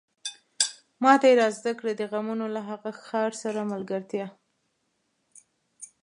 ماته يې را زده کړه د غمونو له هغه ښار سره ملګرتيا